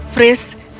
fris yang menanggungnya